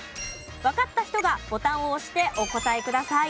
わかった人がボタンを押してお答えください。